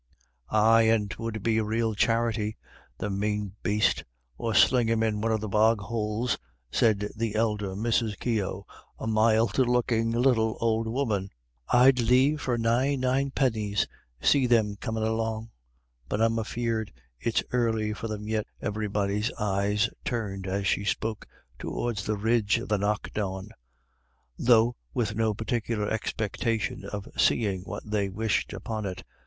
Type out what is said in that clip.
"Aye, and 'twould be a real charity the mane baste; or sling him in one of the bog houles," said the elder Mrs. Keogh, a mild looking little old woman. "I'd liefer than nine nine pennies see thim comin' along. But I'm afeard it's early for thim yet." Everybody's eyes turned, as she spoke, toward the ridge of the Knockawn, though with no particular expectation of seeing what they wished upon it.